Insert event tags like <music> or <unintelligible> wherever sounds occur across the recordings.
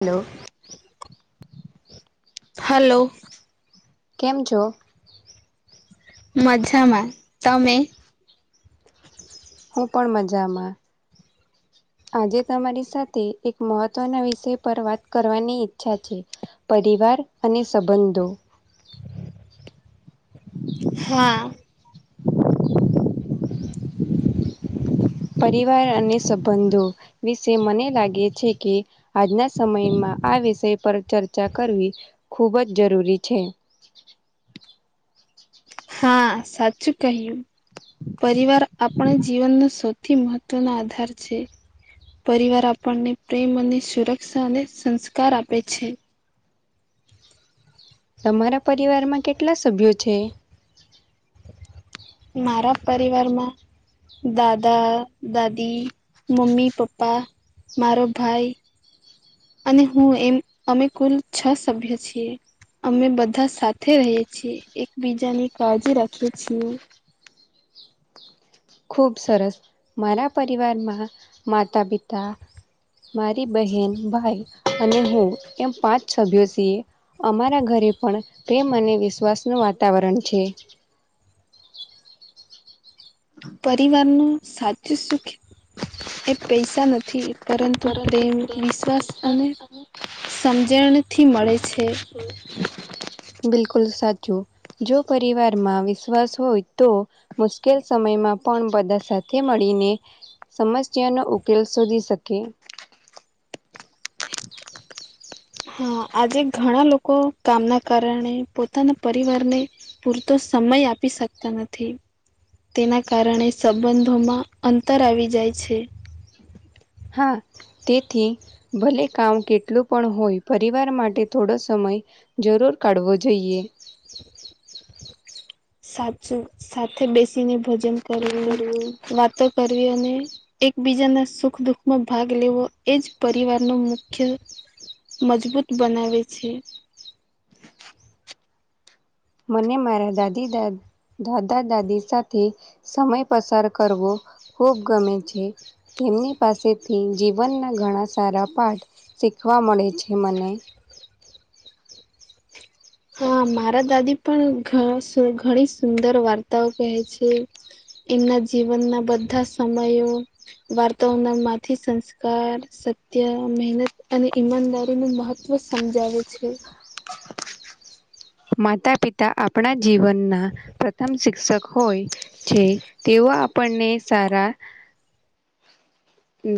Hello hello કેમ છો? મજામાં, તમે? હું પણ મજામાં આજે તમારી સાથે, એક મહત્વના વિષય પર વાત કરવાની ઈચ્છા છે. પરિવાર અને સંબંધો હા <inaudible> <inaudible> પરિવાર અને સંબંધો વિશે મને લાગે છે કે આજના સમયમાં આ વિષય પર ચર્ચા કરવી ખૂબજ જરૂરી છે. હા સાચુ કહ્યું. પરિવાર આપણા જીવનનો સૌથી મહત્વનો આધાર છે. પરિવાર આપણને પ્રેમ અને સુરક્ષા અને સંસ્કાર આપે છે. તમારા પરિવારમાં કેટલા સભ્યો છે. મારા પરિવારમાં દાદા, દાદી, મમ્મી, પપ્પા મારો ભાઈ અને હું એમ અમે કુલ છ સભ્ય છીએ. અમે બધા સાથે રહીએ છીએ, એકબીજાની કાળજી રાખીએ છીએ. ખૂબ સરસ, મારા પરિવારમાં માતા, પિતા મારી બહેન, ભાઈ અને હું એમ પાંચ સભ્યો છીએ. અમારા ઘરે પણ પ્રેમ અને વિશ્વાસ નો વાતાવરણ છે. <inaudible> પરિવારનું સાચું સુખ એ પૈસા નથી. પરંતુ પ્રેમ, વિશ્વાસ અને સમજણથી મળે છે. બિલકુલ સાચું. જો પરિવારમાં વિશ્વાસ હોય તો મુશ્કેલ સમયમાં પણ બધા સાથે મળીને સમસ્યા નો ઉકેલ શોધી શકીયે. હા આજે ઘણા લોકો કામના કારણે પોતાના પરિવારને પૂરતો સમય આપી શકતા નથી. તેના કારણે સંબંધોમાં અંતર આવી જાય છે. હા તેથી ભલે કામ કેટલું પણ હોય, પરિવાર માટે થોડો સમય જરૂર કાઢવો જોઈએ. <unintelligible> સાચું સાથે બેસીને ભોજન કરવું, વાતો કરવી અને એકબીજાના સુખ દુઃખમાં ભાગ લેવો, એ જ પરિવારનો મુખ્ય મજબૂત બનાવે છે. મને મારા દાદી દાદ, દાદા દાદી સાથે સમય પસાર કરવો ખૂબ ગમે છે. તેમની પાસેથી જીવનના ઘણા સારા પાઠ શીખવા મળે છે મને. હા મારા દાદી પણ ઘ સુ ઘણી સુંદર વાર્તાઓ કહે છે. એમના જીવનના બધા સમયો, વાર્તાઓના માંથી સંસ્કાર સત્ય, મહેનત, અને ઈમાનદારી નુ મહત્વ સમજાવે છે. માતા પિતા આપણા જીવનના પ્રથમ શિક્ષક હોય, છે. તેવા આપણને સારા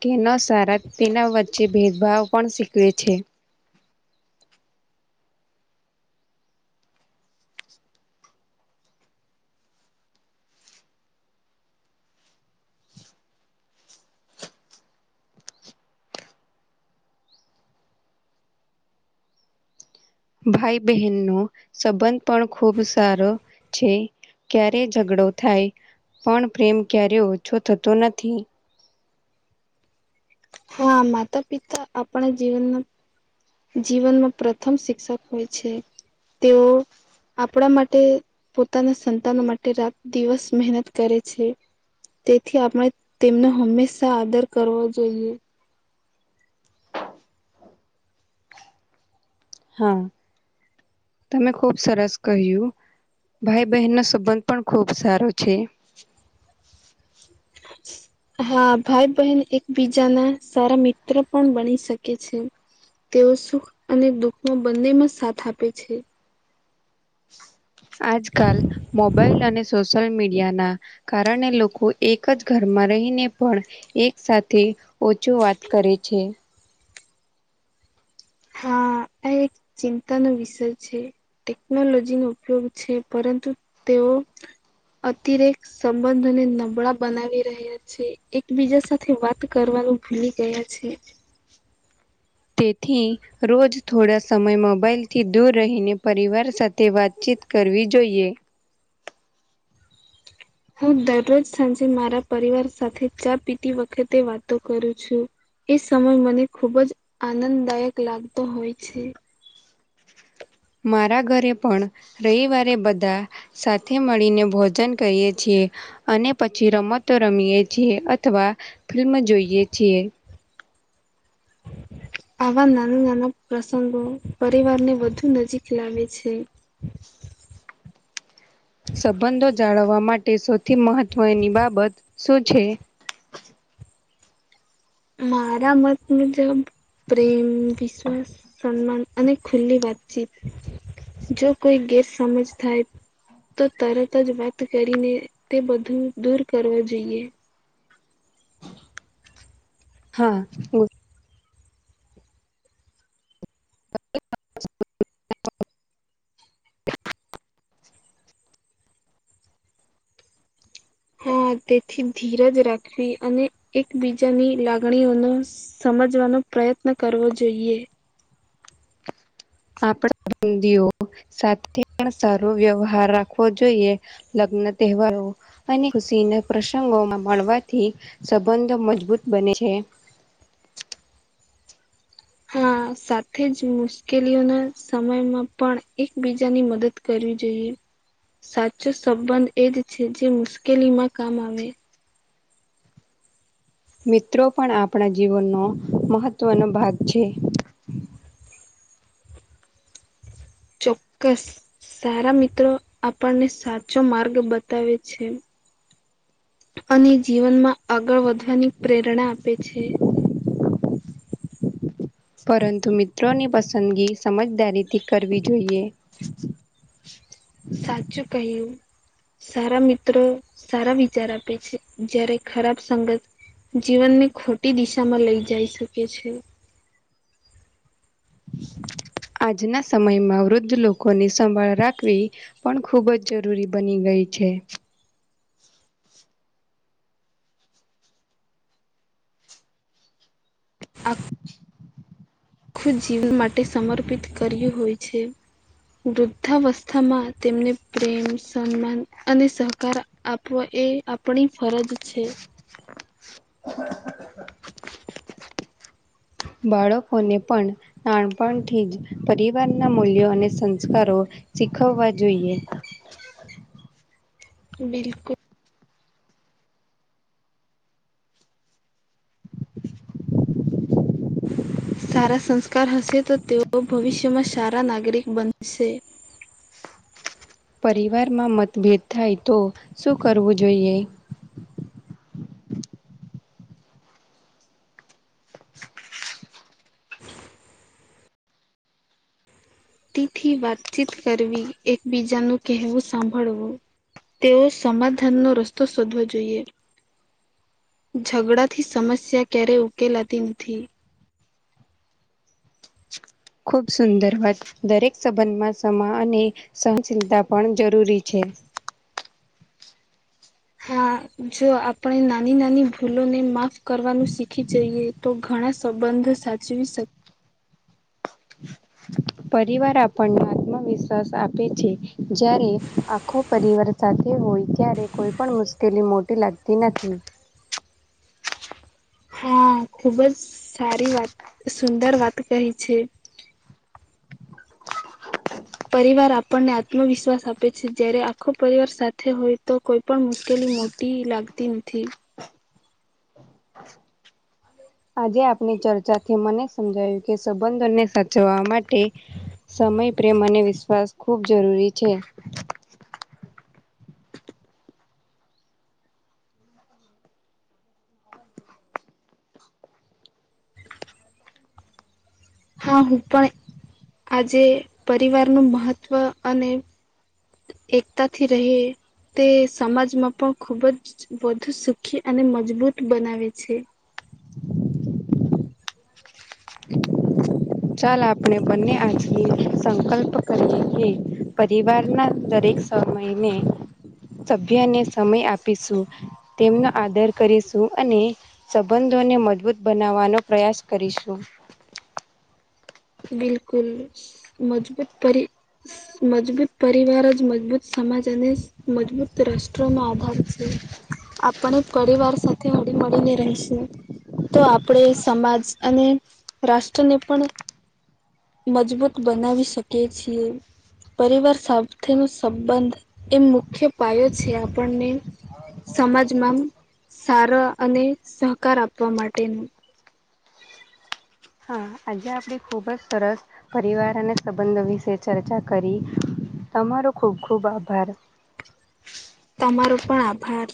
કે ન સારા તેના વચ્ચે ભેદભાવ પણ શીખવે છે. ભાઈ બહેન નો સંબંધ પણ ખુબ સારો છે. ક્યારે ઝઘડો થાય પણ પ્રેમ ક્યારે ઓછો થતો નથી. હા માતા પિતા આપણા જીવનના જીવનમાં પ્રથમ શિક્ષક હોય છે તેઓ આપણા માટે પોતાના સંતાનો માટે રાત દિવસ મહેનત કરે છે. તેથી આપણે તેમનો હંમેશા આદર કરવાવો જોઈએ. હા. તમે ખુબ સરસ કહ્યું ભાઈ બહેન નો સંબંધ પણ ખુબ સારો છે. <inaudible> હા ભાઈ બહેન એકબીજાના સારા મિત્ર પણ બની શકે છે. તેઓ સુખ અને દુઃખમાં બંનેમાં સાથ આપે છે. આજકાલ મોબાઈલ અને સોશિલ મીડિયાના કારણે લોકો એક જ ઘરમાં રહીને પણ એક સાથે ઓછો વાત કરે છે. હા આ એક ચિંતાનો વિષય છે. ટેકનોલોજી નો ઉપયોગ છે પરંતુ તેઓ અતિરેક સંબંધને નબળા બનાવી રહ્યા છે એકબીજા સાથે વાત કરવાનું ભૂલી ગયા છે. તેથી રોજ થોડા સમય મોબાઈલથી દૂર રહીને પરિવાર સાથે વાતચીત કરવી જોઈએ. હું દરરોજ સાંજે મારા પરિવાર સાથે ચા પીતી વખતે વાતો કરું છું. એ સમય મને ખુબ જ આનંદદાયક લાગતો હોય છે. મારા ઘરે પણ રવિવારે બધા સાથે મળીને ભોજન કરીએ છીએ. અને પછી રમતો રમીએ છીએ અથવા ફિલ્મ જોઈએ છીએ. આવા નાના નાના પ્રસંગો પરિવાર ને વધુ નજીક લાવે છે. સંબંધો જાળવવા માટે સૌથી મહત્વની બાબત શું છે. મારા મત મુ જબ પ્રેમ, વિશ્વાસ, સન્માન, અને ખુલ્લી વાતચીત જો કોઈ ગેર સમજ થાય તો તરત જ વાત કરીને તે બધું દૂર કરવા જોઈએ. હા બ <unintelligible> <inaudible> <inaudible> હા તેથી ધીરજ રાખવી અને એકબીજાની લાગણીઓનો સમજવાનો પ્રયત્ન કરવો જોઈએ. આપણા બંદ સાથે પણ સારો વ્યવહાર રાખવો જોઈએ. લગ્ન તહેવારો અને ખુશીના પ્રસંગોમાં મળવાથી સંબંધ મજબૂત બને છે. હા સાથે જ મુશ્કેલીઓના સમયમાં પણ એકબીજાની મદદ કરવી જોઈએ સાચો સંબંધ એજ છે જે મુશ્કેલીમાં કામ આવે મિત્રો પણ આપણા જીવનનો મહત્વનો ભાગ છે ચોક્કસ સારા મિત્રો આપણને સાચો માર્ગ બતાવે છે. અને જીવનમાં આગળ વધવાની પ્રેરણા આપે છે. પરંતુ મિત્રોની પસંદગી સમજદારીથી કરવી જોઈએ. સાચું કહ્યું. સારા મિત્રો સારા વિચાર આપે છે જયારે ખરાબ સંગત જીવનની ખોટી દિશામાં લઈ જઈ શકે છે, આજના સમયમાં વૃદ્ધ લોકોની સંભાળ રાખવી. પણ ખુબ જ જરૂરી બની ગઈ છે. આગ, <unintelligible> <inaudible> આખું જીવન માટે સમર્પિત કર્યું હોય છે, વૃદ્ધાવસ્થામાં. તેમને પ્રેમ સન્માન અને સહકાર આપવા એ, આપણી ફરજ છે. <unintelligible> <inaudible> બાળકોને પણ, નાનપણથી જ પરિવારના મૂલ્યો અને સંસ્કારો શીખવવા જોઈએ, બિલકુલ, સારા સંસ્કાર હશે તો તેઓ ભવિષ્યમાં સારા નાગરિક બનશે, પરિવારમાં મતભેદ થાય તો શું કરવું જોઈએ, તિથી વાતચીત કરવી એકબીજા નું કહેવું સાંભળવું, તેઓ સમાધાન નો રસ્તો શોધવો જોઈએ, ઝઘડા થી સમસ્યા ક્યારેય ઉકેલાતી નથી, ખૂબ સુંદર વાત, દરેક સંબંધમાં સમા અને સનશીલતા પણ જરૂરી છે, હા જો આપણે નાની નાની ભૂલોને માફ કરવાનું શીખી જઈએ. તો ઘણા સંબંધ સાચવી શકે, પરિવાર આપણને આત્મવિશ્વાસ આપે છે, જ્યારે આખો પરિવાર સાથે હોય ત્યારે કોઈ પણ મુશ્કેલી મોટી લાગતી નથી, હા ખુબ જ સારી વાત સુંદર વાત કહી છે, પરિવાર આપણને આત્મવિશ્વાસ આપે છે, જયારે આખો પરિવાર સાથે હોય તો કોઈ પણ મુશ્કેલી ટી લાગતી નથી. આજે આપની ચર્ચા થી મને સમજાયું કે સંબંધોને સાચવવા માટે, સમય પ્રેમ અને વિશ્વાસ ખૂબ જરૂરી છે, હા હું પણ આજે પરિવારનું મહત્ત્વ અને, એકતાથી રહે, તે સમાજમાં પણ ખુબ જ વધુ સુખી અને મજબૂત બનાવે છે. ચાલ આપણે બંને આચએ, સંકલ્પ કરીએ કે પરિવારના દરેક સમયને, સભ્યને સમય આપીશું, તેમનો આદર કરીશું. અને સંબંધોને મજબૂત બનાવવાનો પ્રયાસ કરીશું, બિલકુલ મજબૂત પરિચય, મજબૂત પરિવાર, જ મજબૂત સમાજ, અને મજબૂત રાષ્ટ્રમાં આધાર છે, આપ આપણે પરિવાર સાથે હળી મળીને રહીશું, તો આપણે સમાજ અને રાષ્ટ્રને પણ મજબૂત બનાવી શકે છીએ, પરિવાર સાથેનો સંબંધ એ મુખ્ય પાયો છે, આપણને સમાજમાં સારા અને સહકાર આપવા માટેનું હા, આજે આપણે ખૂબ જ સરસ. પરિવાર અને સંબંધો વિશે ચર્ચા કરી તમારો ખૂબ ખુબ આભાર, તમારો પણ આભાર,